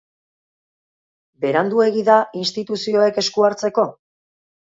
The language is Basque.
Beranduegi da instituzioek esku hartzeko?